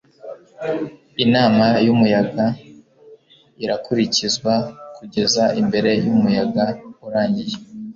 inama yumuyaga irakurikizwa kugeza imbere yumuyaga urangiye